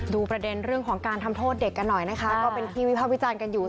ประเด็นเรื่องของการทำโทษเด็กกันหน่อยนะคะก็เป็นที่วิภาควิจารณ์กันอยู่